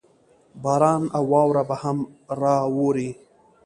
باران او واوره به هم راووري.